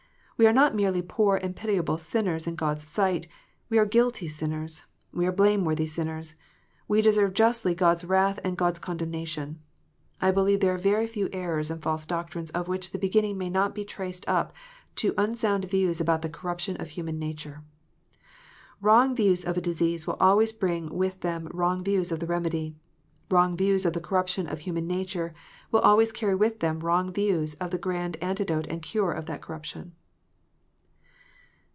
We are not merely poor and pitiable sinners in God s sight: we are guilty sinners; we are blameworthy sinners; we deserve justly God s wrath and God s condemnation. I believe there are very few errors and false doctrines of which the beginning may not be traced up to unsound views about the corruption of human nature. Wrong views of a disease will always bring with them wrong views of the remedy. Wrong views of the corruption of human nature will always carry with them wrong views of the grand antidote and cure of that corruption.